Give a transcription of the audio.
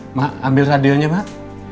emak ambil radionya emak